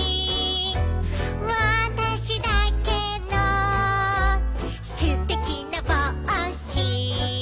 「わたしだけのすてきな帽子」